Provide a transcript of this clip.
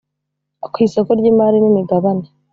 ku Isoko ry imari n imigabane